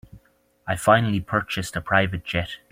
I finally purchased a private jet.